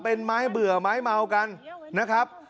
เป็นไม้เบื่อไม้เมากันนะครับ